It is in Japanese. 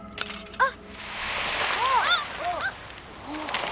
あっ！